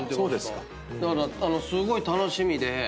だからすごい楽しみで。